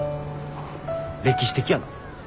歴史的やな。